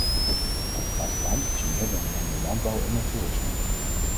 Het platteland is meer dan alleen de landbouw en het toerisme.